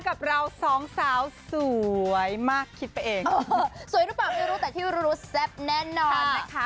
กับเราสองสาวสวยมากคิดไปเองสวยหรือเปล่าไม่รู้แต่ที่รู้แซ่บแน่นอนนะคะ